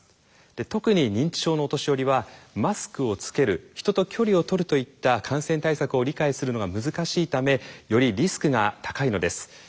特に認知症のお年寄りはマスクをつける人と距離をとるといった感染対策を理解するのが難しいためよりリスクが高いのです。